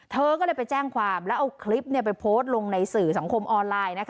เธอก็เลยไปแจ้งความแล้วเอาคลิปไปโพสต์ลงในสื่อสังคมออนไลน์